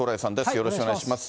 よろしくお願いします。